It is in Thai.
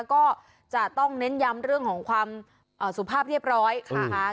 ก็จะต้องเน้นย้ำเรื่องของความสุภาพเรียบร้อยนะคะ